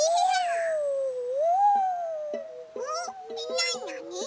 なになに？